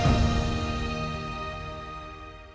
ibu kelompok itu horseman samararni menca développement mereka